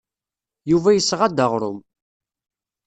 Yuba yesɣa-d aɣrum.